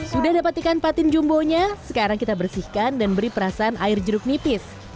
sudah dapat ikan patin jumbonya sekarang kita bersihkan dan beri perasaan air jeruk nipis